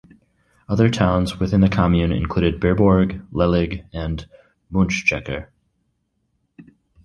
Other towns within the commune include Berbourg, Lellig, and Munschecker.